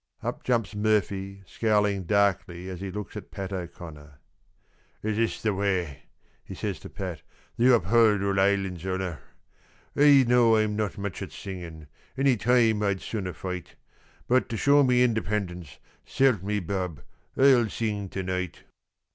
Up jumps Murphy, scowling darkly as he looks at Pat O'Connor: "Is this the way," he says to Pat, "that you uphold Ould Oireland's honour?" "Oi know Oi'm not much at singin'; any toime Oi'd sooner foight; But, to show me independence, s'help me bob, Oi'll sing to night."